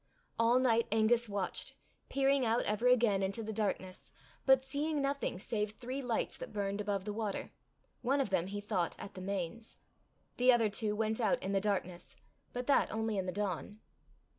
All night Angus watched, peering out ever again into the darkness, but seeing nothing save three lights that burned above the water one of them, he thought, at the Mains. The other two went out in the darkness, but that only in the dawn.